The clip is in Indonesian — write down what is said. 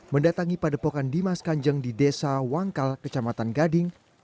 mendatangi padepokan dimas kanjeng di desa wangkal kecamatan gading